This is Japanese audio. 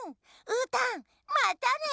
うーたんまたね。